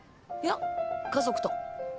いや家族と。